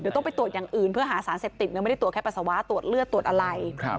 เดี๋ยวต้องไปตรวจอย่างอื่นเพื่อหาสารเสพติดยังไม่ได้ตรวจแค่ปัสสาวะตรวจเลือดตรวจอะไร